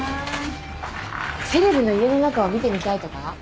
セレブの家の中を見てみたいとか？